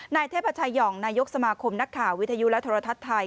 นายเทพชายองนายกสมาคมนักข่าววิทยุและโทรทัศน์ไทย